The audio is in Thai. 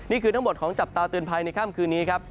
นี่คือทั้งหมดของจับตาเตือนภัยในค่ำคืนนี้ครับ